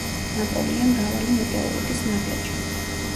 ნაპოვნია მრავალი მეტეორიტის ნაგლეჯი.